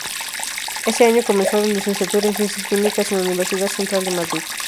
Ese año comenzó la licenciatura en Ciencias Químicas en la Universidad Central de Madrid.